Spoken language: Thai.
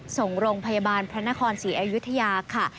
ส่งโรงพยาบาลพระนครสีเอ็นวิทยาค่ะ